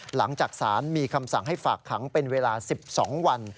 หลังจากสารมีคำสั่งให้ฝากขังเป็นเวลา๑๒วัน